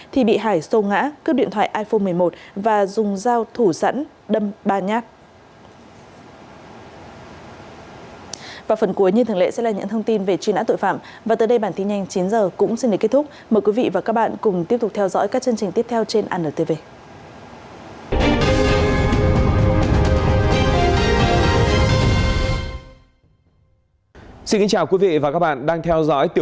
thì bị hải xô ngã cướp điện thoại iphone một mươi một và dùng giao thủ sẵn đâm ba nhát